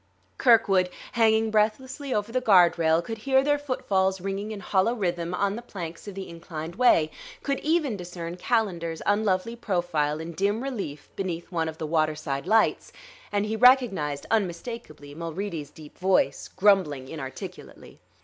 Kirkwood, hanging breathlessly over the guard rail, could hear their footfalls ringing in hollow rhythm on the planks of the inclined way, could even discern Calendar's unlovely profile in dim relief beneath one of the waterside lights; and he recognized unmistakably Mulready's deep voice, grumbling inarticulately.